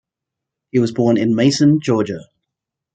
He was born in Macon, Georgia.